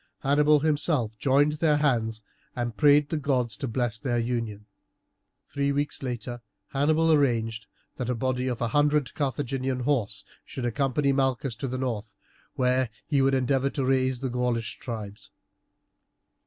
Hannibal himself joined their hands and prayed the gods to bless their union. Three weeks later Hannibal arranged that a body of a hundred Carthaginian horse should accompany Malchus to the north, where he would endeavour to raise the Gaulish tribes.